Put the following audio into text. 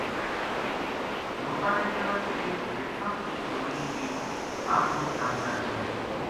لوکاں نے کیہو جے رچھاں کی جوڑی نے ہم مچ تنگ کر چھڑیا